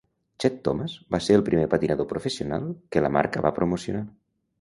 Chet Thomas va ser el primer patinador professional que la marca va promocionar.